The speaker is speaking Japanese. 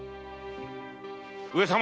上様！